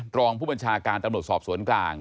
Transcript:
กรองผู้บัญชาการสอบสวนกลาง